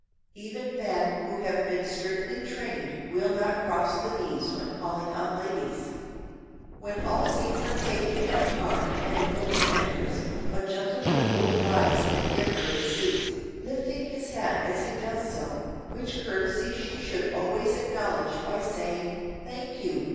Even men who have been strictly trained will not cross the knees when calling on ladies. When all seats are taken in a car and a woman enters, a gentleman will rise and give her his seat, lifting his hat as he does so, which courtesy she should always acknowledge by saying "Thank you!"